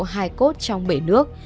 hai cốt trong bể nước